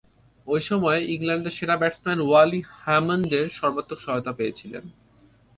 ঐ সময়ে ইংল্যান্ডের সেরা ব্যাটসম্যান ওয়ালি হ্যামন্ডের সর্বাত্মক সহায়তা পেয়েছিলেন।